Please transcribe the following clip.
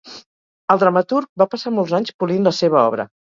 El dramaturg va passar molts anys polint la seva obra.